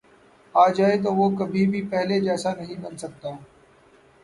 آ جائے تو وہ کبھی بھی پہلے جیسا نہیں بن سکتا